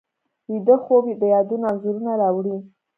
ویده خوب د یادونو انځورونه راوړي